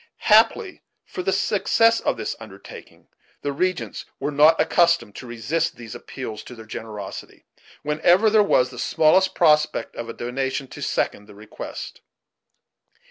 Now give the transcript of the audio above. Happily for the success of this undertaking, the regents were not accustomed to resist these appeals to their generosity, whenever there was the smallest prospect of a donation to second the request.